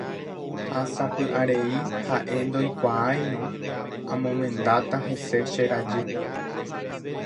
Ha sapy'arei ha'e ndoikuaairõ amomendáta hese che rajy.